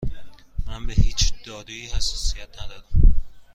من به هیچ دارویی حساسیت ندارم.